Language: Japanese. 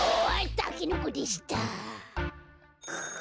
たけのこでした。